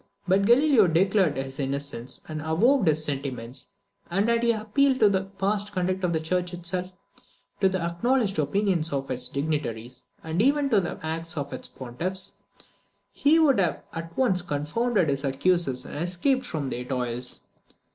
Had Galileo declared his innocence, and avowed his sentiments, and had he appealed to the past conduct of the Church itself, to the acknowledged opinions of its dignitaries, and even to the acts of its pontiffs, he would have at once confounded his accusers, and escaped from their toils.